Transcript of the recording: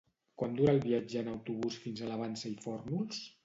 Quant dura el viatge en autobús fins a la Vansa i Fórnols?